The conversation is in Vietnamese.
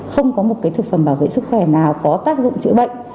không có một thực phẩm bảo vệ sức khỏe nào có tác dụng chữa bệnh